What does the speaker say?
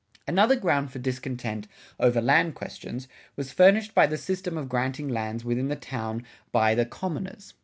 Another ground for discontent over land questions was furnished by the system of granting lands within the town by the commoners.